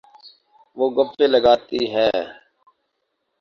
وہ بہت گپیں لگاتی ہے